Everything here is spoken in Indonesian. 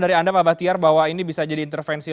dari anda pak bahtiar bahwa ini bisa jadi intervensi